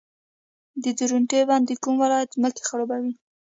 د درونټې بند د کوم ولایت ځمکې خړوبوي؟